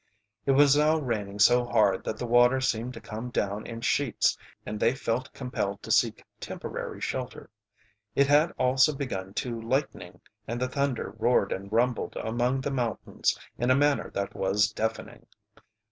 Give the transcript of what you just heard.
It was now raining so hard that the water seemed to come down in sheets, and they felt compelled to seek temporary shelter. It had also begun to lightning, and the thunder roared and rumbled among the mountains in a manner that was deafening.